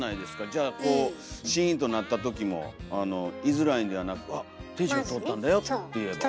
じゃあこうシーンとなった時もあのいづらいんではなく「あっ天使が通ったんだよ」って言えば。